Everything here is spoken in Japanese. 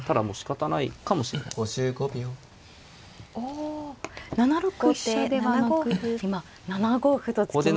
お７六飛車ではなく今７五歩と突きました。